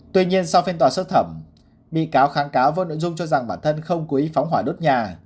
tuy nhiên sau phiên tòa sơ thẩm bị cáo kháng cáo vô nội dung cho rằng bản thân không cố ý phóng hỏa đốt nhà